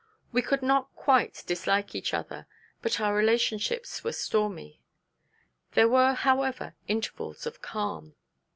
We could not quite dislike each other; but our relationships were stormy. There were, however, intervals of calm.